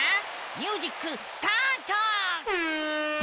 ミュージックスタート！